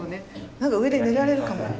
何か上で寝られるかも。